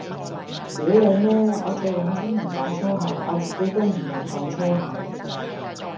屌你咩，我最撚憎人講粗口，我自己都唔撚講粗口